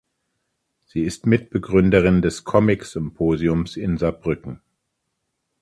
Sie ist Mitbegründerin des "Comic Symposiums" in Saarbrücken.